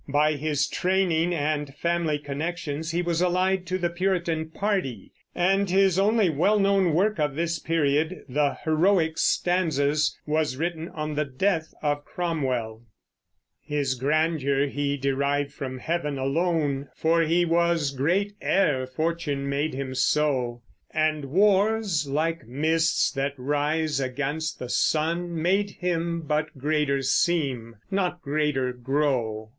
By his training and family connections he was allied to the Puritan party, and his only well known work of this period, the "Heroic Stanzas," was written on the death of Cromwell: His grandeur he derived from Heaven alone, For he was great ere Fortune made him so; And wars, like mists that rise against the sun, Made him but greater seem, not greater grow.